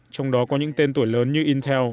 trong đó có những tên tuổi lớn như intel qualcomm ceilings